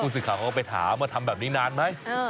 ภูศิษย์ขาวเขาก็ไปถามว่าทำแบบนี้นานไหม